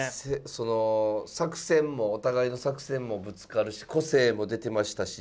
その作戦もお互いの作戦もぶつかるし個性も出てましたし。